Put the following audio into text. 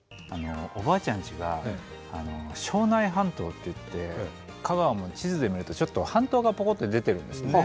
おばあちゃんちが荘内半島っていって香川も地図で見るとちょっと半島がぽこって出てるんですね。